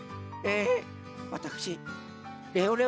えわたくしレオレオ